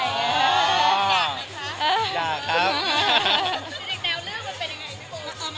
ยากไหมคะ